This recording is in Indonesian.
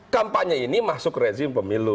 kampanye ini masuk rezim pemilu